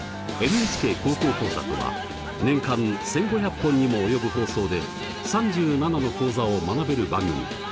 「ＮＨＫ高校講座」とは年間１，５００本にも及ぶ放送で３７の講座を学べる番組。